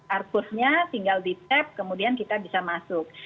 arpusnya tinggal di tap kemudian kita bisa masuk